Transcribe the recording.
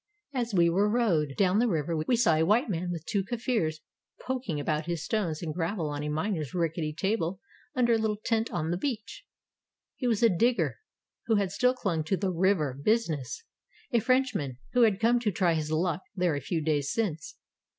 As we were rowed down the river we saw a white man with two Kafirs poking about his stones and gravel on a miner's ricketty table under a httle tent on the beach. He was a digger who had still clung to the "river" busi ness ; a Frenchman who had come to try his luck there a few days since.